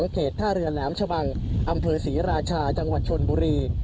เขตท่าเรือแหลมชะบังอำเภอศรีราชาจังหวัดชนบุรี